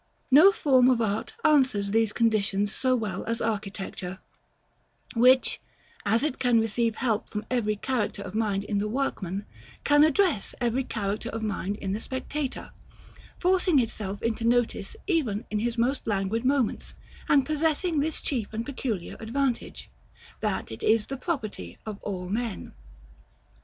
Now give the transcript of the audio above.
No form of art answers these conditions so well as architecture, which, as it can receive help from every character of mind in the workman, can address every character of mind in the spectator; forcing itself into notice even in his most languid moments, and possessing this chief and peculiar advantage, that it is the property of all men.